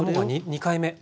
２回目。